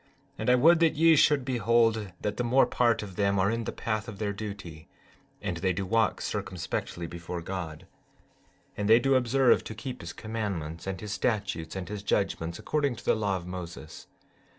15:5 And I would that ye should behold that the more part of them are in the path of their duty, and they do walk circumspectly before God, and they do observe to keep his commandments and his statutes and his judgments according to the law of Moses.